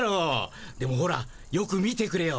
でもほらよく見てくれよ。